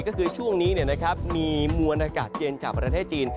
ก็คือช่วงนี้มีมวลอากาศเย็นจากประเทศจีน